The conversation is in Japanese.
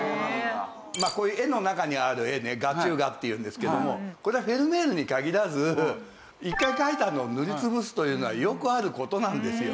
こういう絵の中にある絵ね画中画っていうんですけどもこれはフェルメールに限らず一回描いたのを塗りつぶすというのはよくある事なんですよ。